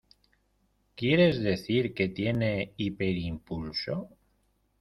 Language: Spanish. ¿ Quieres decir que tiene hiperimpulso?